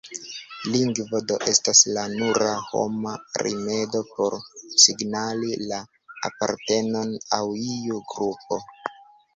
Lingvo do estas la nura homa rimedo por signali la apartenon al iu grupo.